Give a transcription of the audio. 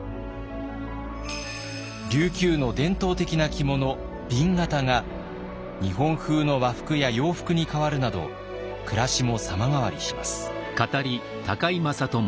琉球の伝統的な着物紅型が日本風の和服や洋服に変わるなど暮らしも様変わりします。